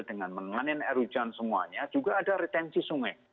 dengan menganen air hujan semuanya juga ada retensi sungai